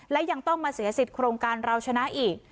และยังต้องมาเสียสิทธิ์โครงการเราชนะอีก